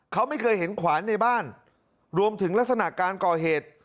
เขาไม่เคยเห็นขวานในบ้านรวมถึงลักษณะการก่อเหตุ